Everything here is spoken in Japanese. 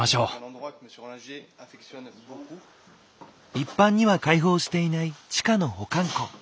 一般には開放していない地下の保管庫。